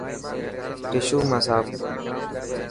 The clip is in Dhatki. ششو مان ساف ڪر.